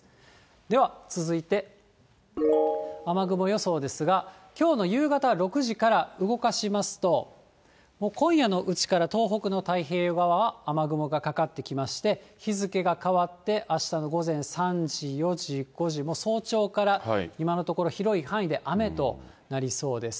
では続いて、雨雲予想ですが、きょうの夕方６時から動かしますと、もう今夜のうちから東北の太平洋側は雨雲がかかってきまして、日付が変わってあしたの午前３時、４時、５時、早朝から今のところ広い範囲で雨となりそうです。